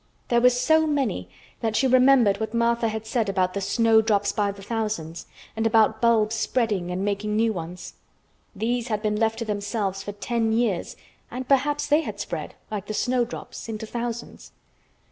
There were so many that she remembered what Martha had said about the "snowdrops by the thousands," and about bulbs spreading and making new ones. These had been left to themselves for ten years and perhaps they had spread, like the snowdrops, into thousands.